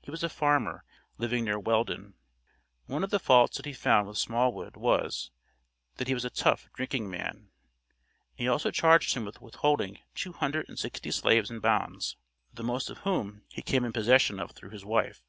He was a farmer, living near Wheldon. One of the faults that he found with Smallwood was, that he was a "tough, drinking man" he also charged him with holding "two hundred and sixty slaves in bonds," the most of whom he came in possession of through his wife.